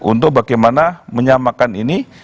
untuk bagaimana menyamakan ini